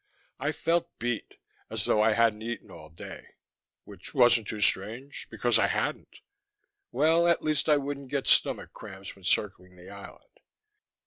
I felt beat: as though I hadn't eaten all day which wasn't too strange, because I hadn't. Well, at least I wouldn't get stomach cramps while circling the island.